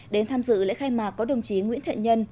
đến tham dự lễ khai mạc có đồng chí nguyễn thiện nhân